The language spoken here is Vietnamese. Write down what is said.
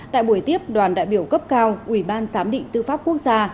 và ủy ban giám định tư pháp quốc gia